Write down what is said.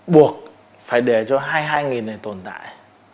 buộc phải để cho hai mươi hai này tồn tại